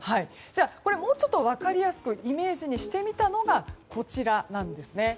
もう少し分かりやすくイメージにしてみたものがこちらです。